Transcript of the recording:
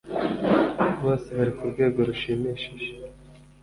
Bose Bari ku rwego rushimishije